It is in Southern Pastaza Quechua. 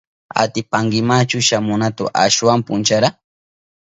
¿Atipankimachu shamunata ashwan punchara?